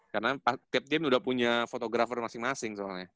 karena tiap tim udah punya fotografer masing masing soalnya